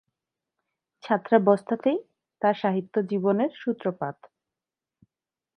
ছাত্রাবস্থাতেই তার সাহিত্য জীবনের সূত্রপাত।